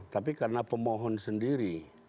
tapi karena pemohon sendiri